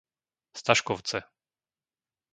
Staškovce